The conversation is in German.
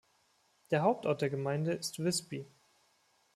Der Hauptort der Gemeinde ist Visby.